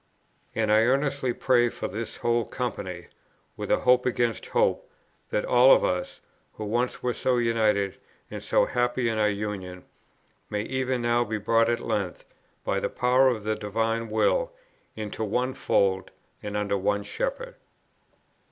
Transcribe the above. And I earnestly pray for this whole company, with a hope against hope, that all of us, who once were so united, and so happy in our union, may even now be brought at length, by the Power of the Divine Will, into One Fold and under One Shepherd.